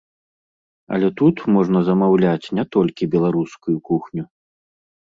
Але тут можна замаўляць не толькі беларускую кухню.